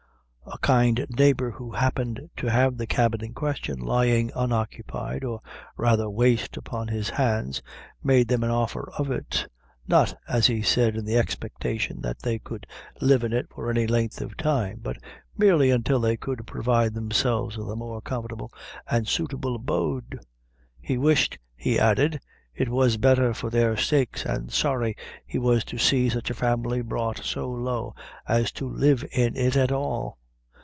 A kind neighbor who happened to have the cabin in question lying unoccupied, or rather waste upon his hands, made them an offer of it; not, as he said, in the expectation that they could live in it for any length of time, but merely until they could provide themselves with a more comfortable and suitable abode. "He wished," he added, "it was better for their sakes; and sorry he was to see such a family brought so low as to live in it at all!"